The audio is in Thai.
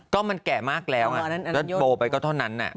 ก็มันแก่มากแล้วแล้วโบไปก็เท่านั้น